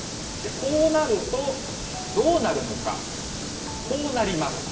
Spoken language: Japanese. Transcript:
こうなるとどうなるのか、こうなります。